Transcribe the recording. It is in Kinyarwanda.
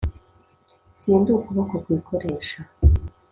sindi ukuboko kwikoresha